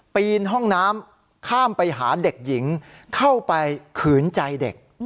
ปีนห้องน้ำข้ามไปหาเด็กหญิงเข้าไปขืนใจเด็ก